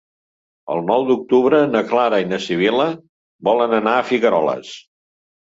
El nou d'octubre na Clara i na Sibil·la volen anar a Figueroles.